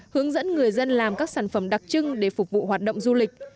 hướng dẫn người dân làm các sản phẩm đặc trưng để phục vụ hoạt động du lịch